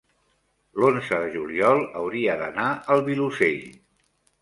l'onze de juliol hauria d'anar al Vilosell.